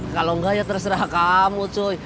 kalau enggak ya terserah kamu tuh